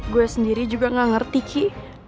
gue sendiri juga gak ngerti ki